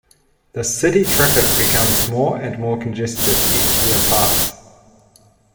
The city traffic becomes more and more congested each year pass.